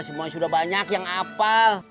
semuanya sudah banyak yang hafal